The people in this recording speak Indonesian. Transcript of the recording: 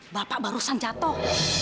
bapak barusan jatoh